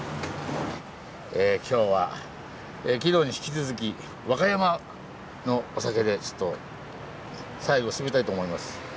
え今日は昨日に引き続き和歌山のお酒でちょっと最後締めたいと思います。